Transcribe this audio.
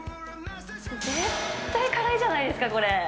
絶対辛いじゃないですか、これ。